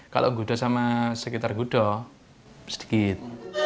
kalau gudul sama sekitar gudul sedikit